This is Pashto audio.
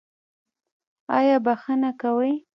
ایا بخښنه کوئ؟